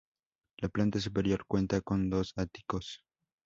La planta superior cuenta con dos áticos.